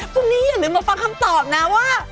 พรุ่งนี้อย่าลืมมาฟังคำตอบนะว่า